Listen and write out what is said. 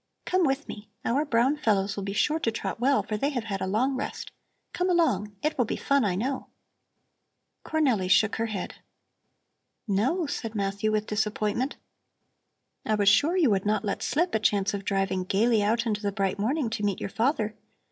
Come with me! Our brown fellows will be sure to trot well, for they have had a long rest. Come along! It will be fun, I know." Cornelli shook her head. "No?" said Matthew with disappointment. "I was sure you would not let slip a chance of driving gaily out into the bright morning to meet your father.